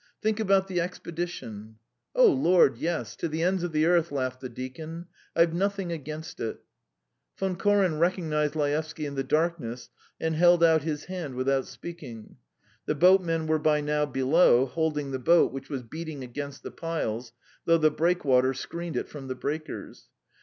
Think about the expedition." "Oh Lord, yes! to the ends of the earth," laughed the deacon. "I've nothing against it." Von Koren recognised Laevsky in the darkness, and held out his hand without speaking. The boatmen were by now below, holding the boat, which was beating against the piles, though the breakwater screened it from the breakers.